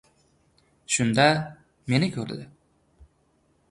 Shunda, meni ko‘rdi.